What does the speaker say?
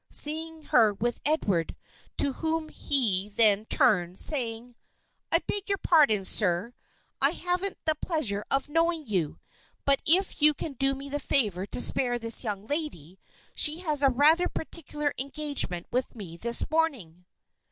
seeing her with Edward, to whom he then turned, saying: "I beg your pardon, sir; I haven't the pleasure of knowing you; but if you can do me the favor to spare this young lady she has a rather particular engagement with me this morning."